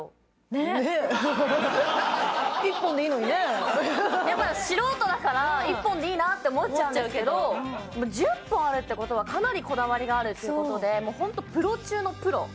ねっねっ１本でいいのにね素人だから１本でいいなって思っちゃうんですけど１０本あるってことはかなりこだわりがあるってことでもうホントプロ中のプロ！